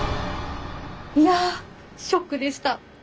いやショックでした。